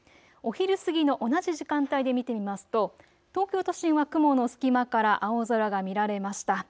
お昼過ぎの同じ時間帯で見ると東京都心は雲の隙間から青空が見られました。